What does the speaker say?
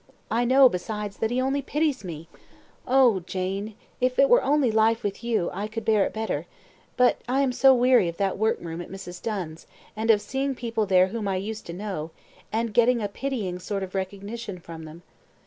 I know, besides, that he only pities me. Oh! Jane, if it were only life with you I could bear it better, but I am so weary of that workroom at Mrs. Dunn's, and of seeing people there whom I used to know, and getting a pitying sort of recognition from them.